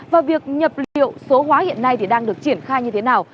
và việc nhập liệu số hóa hiện nay thì đang được triển khai như thế nào